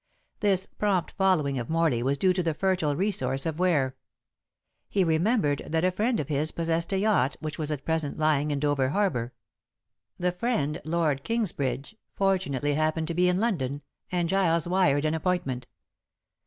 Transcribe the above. This prompt following of Morley was due to the fertile resource of Ware. He remembered that a friend of his possessed a yacht which was at present lying in Dover Harbor. The friend, Lord Kingsbridge, fortunately happened to be in London, and Giles wired an appointment.